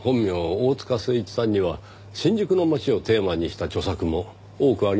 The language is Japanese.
大塚誠一さんには新宿の街をテーマにした著作も多くありますからねぇ。